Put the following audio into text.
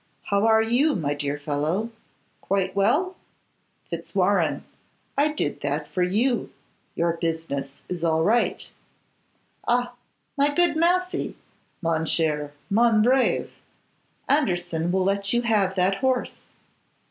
How are you, my dear fellow? Quite well? Fitzwarrene, I did that for you: your business is all right. Ah! my good Massey, mon cher, mon brave, Anderson will let you have that horse.